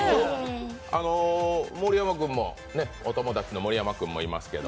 お友達の盛山君もいますけど。